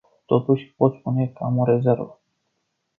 Totuși, pot spune că am o rezervă.